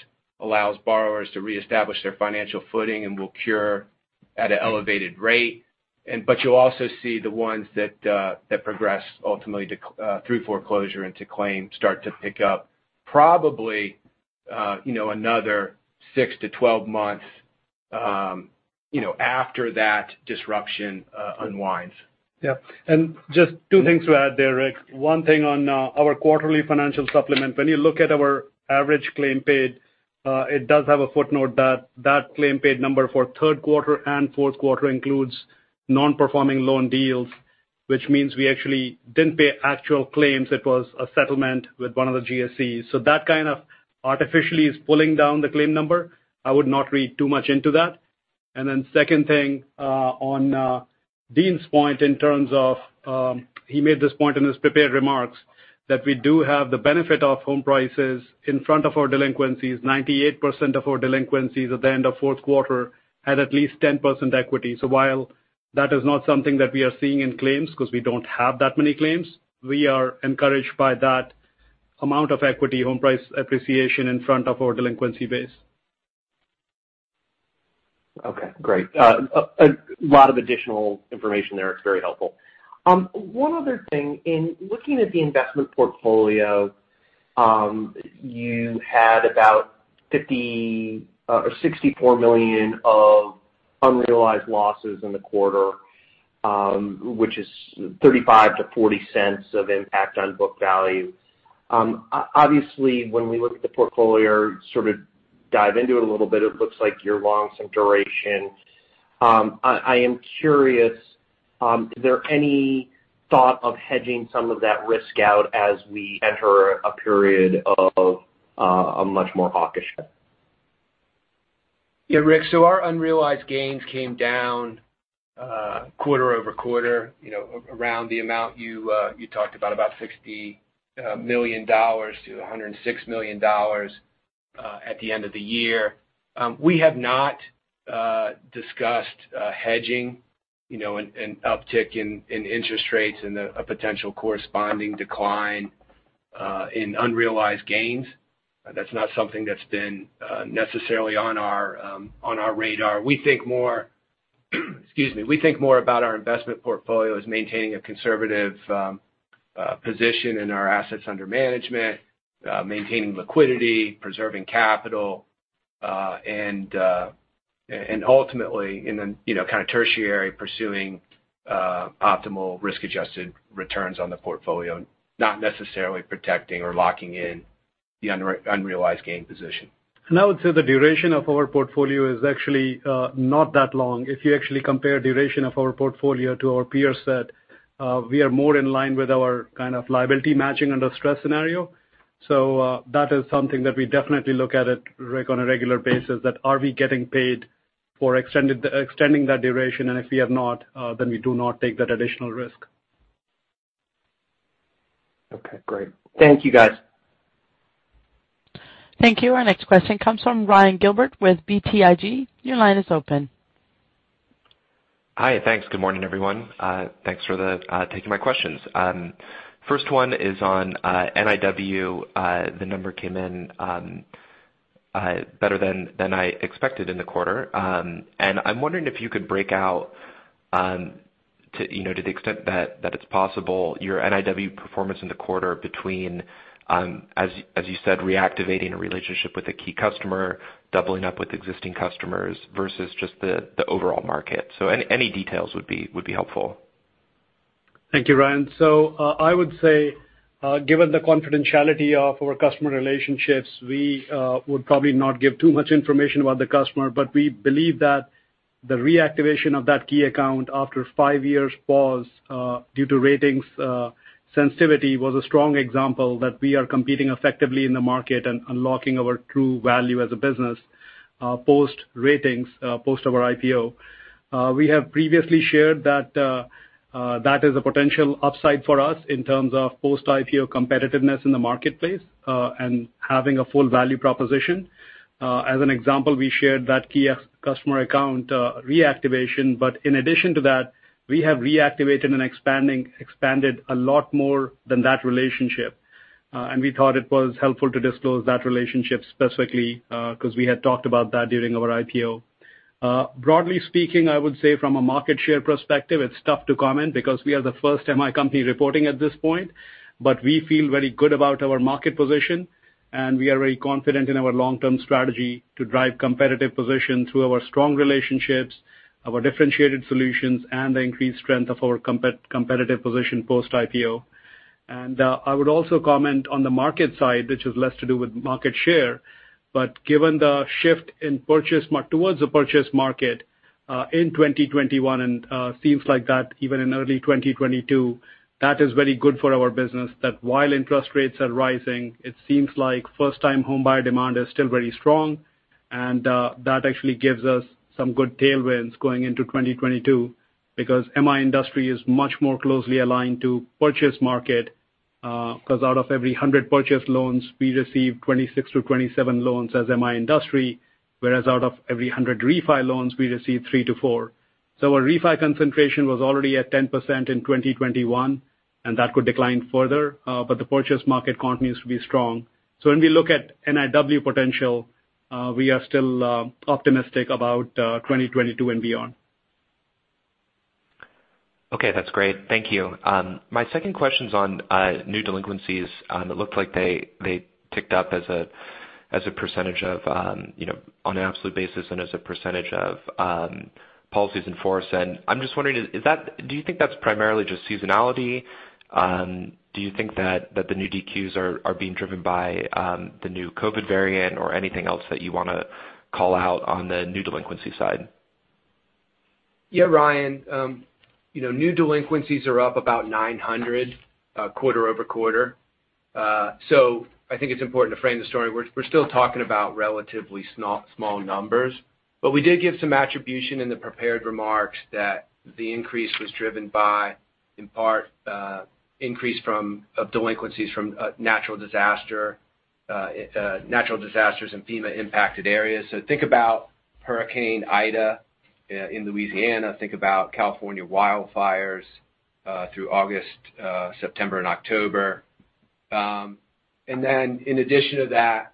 allows borrowers to reestablish their financial footing and will cure at an elevated rate. You'll also see the ones that progress ultimately through foreclosure into claims start to pick up probably, you know, another six to 12 months after that disruption unwinds. Yeah. Just two things to add there, Rick. One thing on our quarterly financial supplement. When you look at our average claim paid, it does have a footnote that that claim paid number for third quarter and fourth quarter includes non-performing loan deals, which means we actually didn't pay actual claims. It was a settlement with one of the GSEs. So that kind of artificially is pulling down the claim number. I would not read too much into that. Then second thing, on Dean's point in terms of, he made this point in his prepared remarks that we do have the benefit of home prices in front of our delinquencies. 98% of our delinquencies at the end of fourth quarter had at least 10% equity. While that is not something that we are seeing in claims because we don't have that many claims, we are encouraged by that amount of equity home price appreciation in front of our delinquency base. Okay, great. A lot of additional information there. It's very helpful. One other thing. In looking at the investment portfolio, you had about $50 or $64 million of unrealized losses in the quarter, which is $0.35-$0.40 of impact on book value. Obviously, when we look at the portfolio or sort of dive into it a little bit, it looks like you're long some duration. I am curious, is there any thought of hedging some of that risk out as we enter a period of a much more hawkish shift? Yeah, Rick. Our unrealized gains came down quarter-over-quarter, you know, around the amount you talked about $60 million to $106 million at the end of the year. We have not discussed hedging, you know, an uptick in interest rates and a potential corresponding decline in unrealized gains. That's not something that's been necessarily on our radar. We think more about our investment portfolio as maintaining a conservative position in our assets under management, maintaining liquidity, preserving capital, and ultimately in the, you know, kind of tertiary pursuing optimal risk-adjusted returns on the portfolio, not necessarily protecting or locking in the unrealized gain position. I would say the duration of our portfolio is actually not that long. If you actually compare duration of our portfolio to our peer set, we are more in line with our kind of liability matching under stress scenario. That is something that we definitely look at it, Rick, on a regular basis, that are we getting paid for extending that duration? If we have not, then we do not take that additional risk. Okay, great. Thank you, guys. Thank you. Our next question comes from Ryan Gilbert with BTIG. Your line is open. Hi. Thanks. Good morning, everyone. Thanks for taking my questions. First one is on NIW. The number came in better than I expected in the quarter. I'm wondering if you could break out to you know to the extent that it's possible your NIW performance in the quarter between as you said reactivating a relationship with a key customer doubling up with existing customers versus just the overall market. Any details would be helpful. Thank you, Ryan. I would say, given the confidentiality of our customer relationships, we would probably not give too much information about the customer. We believe that the reactivation of that key account after five years pause due to ratings sensitivity was a strong example that we are competing effectively in the market and unlocking our true value as a business post ratings post our IPO. We have previously shared that is a potential upside for us in terms of post-IPO competitiveness in the marketplace and having a full value proposition. As an example, we shared that key ex-customer account reactivation. In addition to that, we have reactivated and expanded a lot more than that relationship. We thought it was helpful to disclose that relationship specifically, because we had talked about that during our IPO. Broadly speaking, I would say from a market share perspective, it's tough to comment because we are the first MI company reporting at this point. We feel very good about our market position, and we are very confident in our long-term strategy to drive competitive position through our strong relationships, our differentiated solutions, and the increased strength of our competitive position post-IPO. I would also comment on the market side, which is less to do with market share. Given the shift in purchase market towards the purchase market, in 2021, and seems like that even in early 2022, that is very good for our business. That while interest rates are rising, it seems like first-time homebuyer demand is still very strong. That actually gives us some good tailwinds going into 2022 because MI industry is much more closely aligned to purchase market, because out of every 100 purchase loans, we receive 26-27 loans as MI industry, whereas out of every 100 refi loans, we receive three to four. Our refi concentration was already at 10% in 2021, and that could decline further, but the purchase market continues to be strong. When we look at NIW potential, we are still optimistic about 2022 and beyond. Okay, that's great. Thank you. My second question's on new delinquencies. It looked like they ticked up as a percentage of, you know, on an absolute basis and as a percentage of policies in force. I'm just wondering, is that do you think that's primarily just seasonality? Do you think that the new DQs are being driven by the new COVID variant or anything else that you wanna call out on the new delinquency side? Yeah, Ryan. You know, new delinquencies are up about 900 quarter-over-quarter. I think it's important to frame the story. We're still talking about relatively small numbers. We did give some attribution in the prepared remarks that the increase was driven by, in part, delinquencies from natural disasters in FEMA-impacted areas. Think about Hurricane Ida in Louisiana. Think about California wildfires through August, September and October. In addition to that,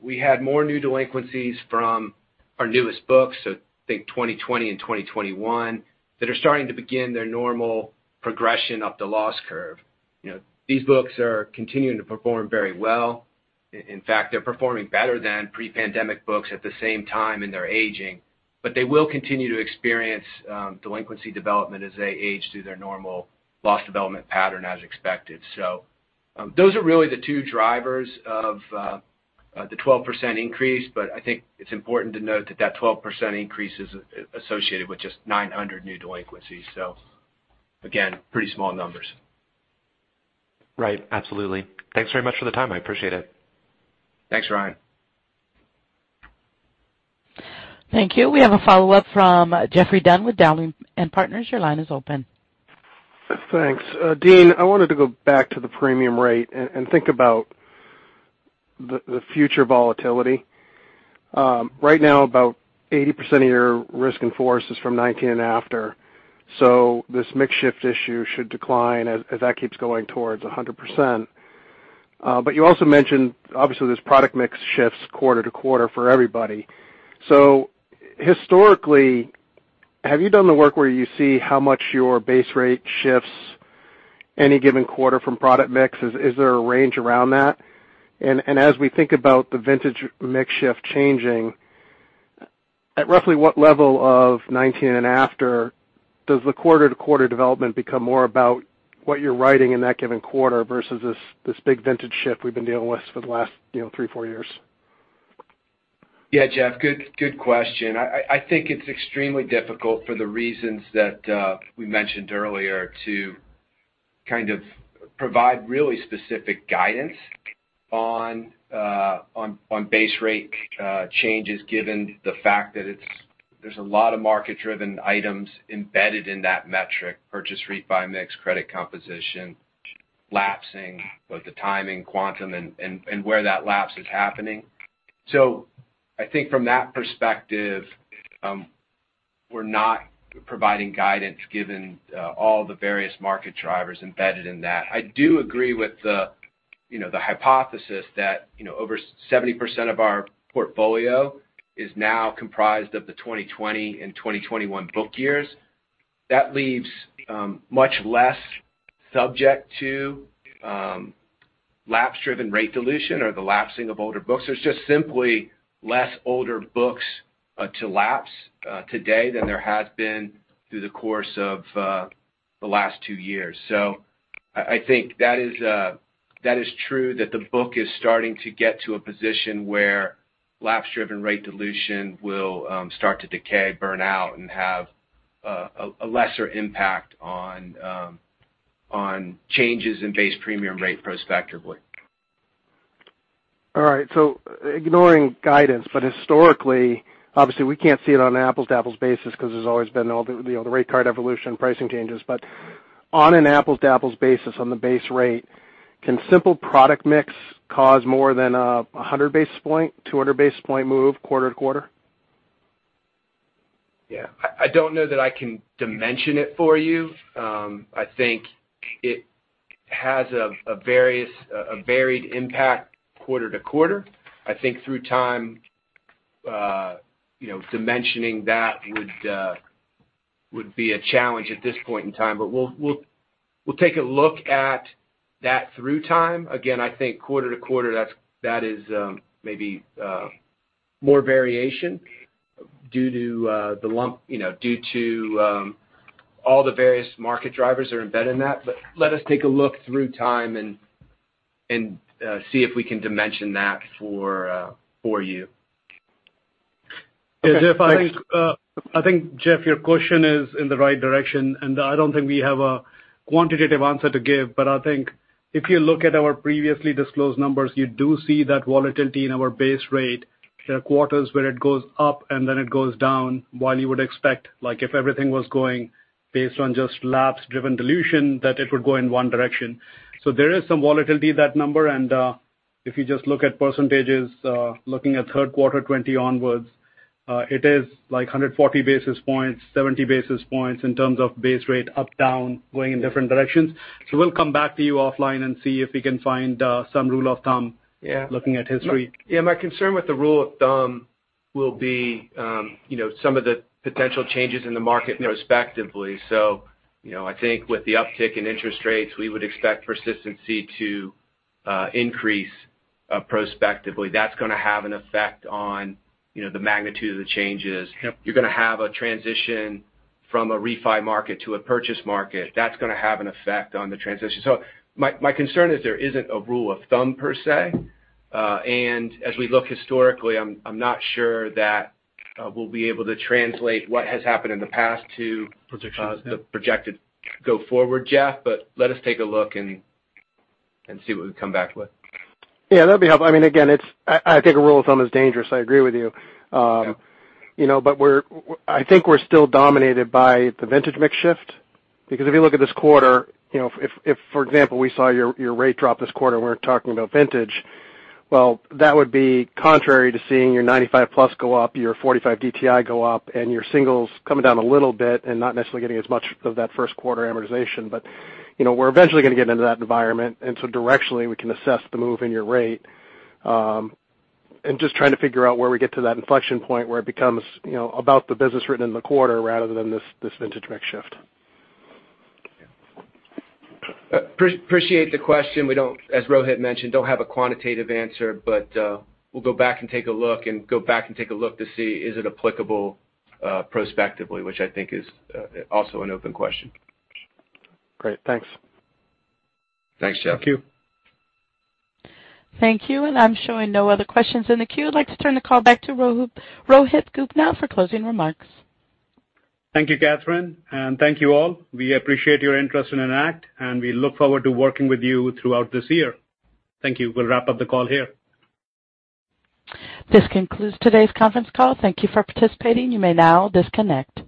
we had more new delinquencies from our newest books, so think 2020 and 2021 that are starting to begin their normal progression up the loss curve. You know, these books are continuing to perform very well. In fact, they're performing better than pre-pandemic books at the same time in their aging. They will continue to experience delinquency development as they age through their normal loss development pattern as expected. Those are really the two drivers of the 12% increase, but I think it's important to note that that 12% increase is associated with just 900 new delinquencies. Again, pretty small numbers. Right. Absolutely. Thanks very much for the time. I appreciate it. Thanks, Ryan. Thank you. We have a follow-up from Geoffrey Dunn with Dowling & Partners. Your line is open. Thanks. Dean, I wanted to go back to the premium rate and think about the future volatility. Right now, about 80% of your risk in force is from 2019 and after. This mix shift issue should decline as that keeps going towards 100%. But you also mentioned, obviously, this product mix shifts quarter to quarter for everybody. Historically, have you done the work where you see how much your base rate shifts any given quarter from product mix? Is there a range around that? As we think about the vintage mix shift changing, at roughly what level of 2019 and after does the quarter-to-quarter development become more about what you're writing in that given quarter versus this big vintage shift we've been dealing with for the last, you know, three, four years? Yeah, Geoff, good question. I think it's extremely difficult for the reasons that we mentioned earlier to kind of provide really specific guidance on base rate changes, given the fact that there's a lot of market-driven items embedded in that metric, purchase refi mix, credit composition, lapsing, both the timing, quantum and where that lapse is happening. I think from that perspective, we're not providing guidance given all the various market drivers embedded in that. I do agree with the, you know, the hypothesis that, you know, over 70% of our portfolio is now comprised of the 2020 and 2021 book years. That leaves much less subject to lapse-driven rate dilution or the lapsing of older books. There's just simply less older books to lapse today than there has been through the course of the last two years. I think that is true that the book is starting to get to a position where lapse-driven rate dilution will start to decay, burn out, and have a lesser impact on changes in base premium rate prospectively. All right. Ignoring guidance, historically, obviously, we can't see it on an apples-to-apples basis because there's always been all the, you know, the rate card evolution, pricing changes. On an apples-to-apples basis, on the base rate, can simple product mix cause more than 100 basis point, 200 basis point move quarter-to-quarter? Yeah. I don't know that I can dimension it for you. I think it has a varied impact quarter to quarter. I think through time, you know, dimensioning that would be a challenge at this point in time. We'll take a look at that through time. Again, I think quarter-to-quarter, that is maybe more variation due to the lumpiness, you know, due to all the various market drivers are embedded in that. Let us take a look through time and see if we can dimension that for you. Yeah, Geoff, I think your question is in the right direction, and I don't think we have a quantitative answer to give. I think if you look at our previously disclosed numbers, you do see that volatility in our base rate. There are quarters where it goes up, and then it goes down, while you would expect, like if everything was going based on just lapse-driven dilution, that it would go in one direction. There is some volatility in that number. If you just look at percentages, looking at third quarter 2020 onwards, it is like 140 basis points, 70 basis points in terms of base rate up, down, going in different directions. We'll come back to you offline and see if we can find some rule of thumb. Yeah. looking at history. Yeah, my concern with the rule of thumb will be, you know, some of the potential changes in the market respectively. You know, I think with the uptick in interest rates, we would expect persistency to increase prospectively. That's going to have an effect on, you know, the magnitude of the changes. Yep. You're going to have a transition from a refi market to a purchase market. That's gonna have an effect on the transition. My concern is there isn't a rule of thumb per se. As we look historically, I'm not sure that we'll be able to translate what has happened in the past to- Projections, yeah. the projected go forward, Geoff, but let us take a look and see what we come back with. Yeah, that'd be helpful. I mean, again, I think a rule of thumb is dangerous, I agree with you. You know, I think we're still dominated by the vintage mix shift. Because if you look at this quarter, you know, if for example, we saw your rate drop this quarter, we're talking about vintage. Well, that would be contrary to seeing your 95+ go up, your 45 DTI go up, and your singles coming down a little bit and not necessarily getting as much of that first quarter amortization. You know, we're eventually gonna get into that environment. Directionally, we can assess the move in your rate, and just trying to figure out where we get to that inflection point where it becomes, you know, about the business written in the quarter rather than this vintage mix shift. Appreciate the question. We don't, as Rohit mentioned, have a quantitative answer, but we'll go back and take a look to see is it applicable prospectively, which I think is also an open question. Great. Thanks. Thanks, Geoff. Thank you. Thank you. I'm showing no other questions in the queue. I'd like to turn the call back to Rohit Gupta now for closing remarks. Thank you, Catherine. Thank you all. We appreciate your interest in Enact, and we look forward to working with you throughout this year. Thank you. We'll wrap up the call here. This concludes today's conference call. Thank you for participating. You may now disconnect.